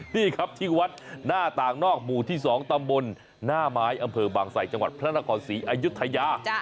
นี่ครับที่วัดหน้าต่างนอกหมู่ที่๒ตำบลหน้าไม้อำเภอบางไสจังหวัดพระนครศรีอายุทยา